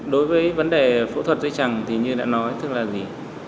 đối với vấn đề phẫu thuật dây chẳng thì như đã nói